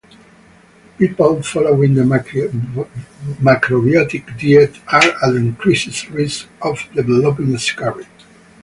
People following the macrobiotic diet are at increased risk of developing scurvy.